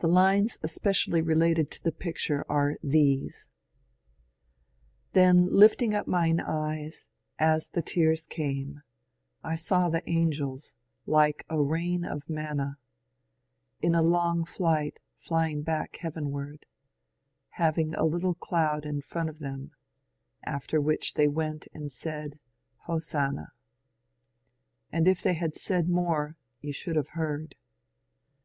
Tbe lines especially related to tbe picture are these: — Then lifting up mine eyes, as the tears came, I saw the Angels, like a rain of manna, In a long flight flying back Heavenward; Having a little cloud in front of them. After the which they went and said, " Hosanna ;" And if they had said more, yoa should have heard.